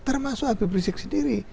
termasuk habib rizieq sendiri